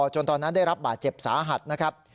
ตอนนั้นได้รับบาดเจ็บสาหัสนะครับ